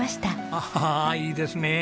あはいいですねえ。